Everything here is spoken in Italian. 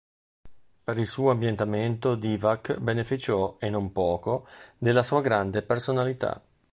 Per il suo ambientamento Divac beneficiò e non poco della sua grande personalità.